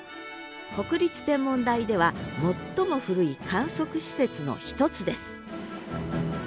国立天文台では最も古い観測施設の一つです